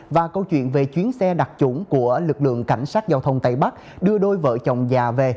và câu chuyện về chuyến xe đặc trủng của lực lượng cảnh sát giao thông tây bắc đưa đôi vợ chồng già về